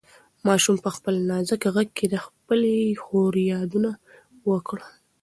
ماشوم په خپل نازک غږ کې د خپلې خور یادونه وکړه.